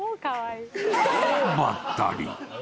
［ばったり］